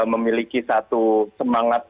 memiliki satu semangat